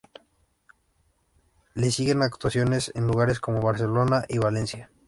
Le siguen actuaciones en lugares como Barcelona y Valencia.